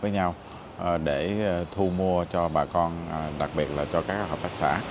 với nhau để thu mua cho bà con đặc biệt là cho các hợp tác xã